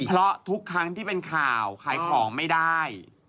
เพราะทุกครั้งที่เป็นข่าวขายของไม่ได้